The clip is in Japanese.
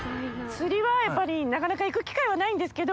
釣りはやっぱりなかなか行く機会はないんですけど。